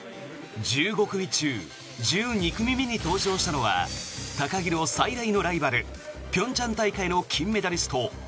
１５組中１２組目に登場したのは高木の最大のライバル平昌大会の金メダリスト